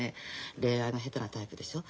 恋愛が下手なタイプでしょ。